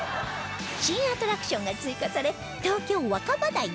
新アトラクションが追加され東京若葉台で開催中